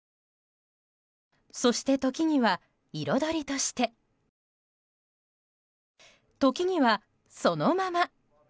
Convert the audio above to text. そして時には彩りとして。時には、そのまま。